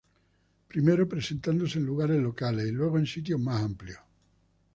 Primero, presentándose en lugares locales, y luego en sitios más amplios.